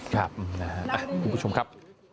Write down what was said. ครับคุณผู้ชมครับ